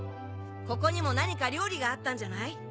ここにも何か料理があったんじゃない？